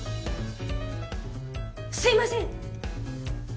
すいません！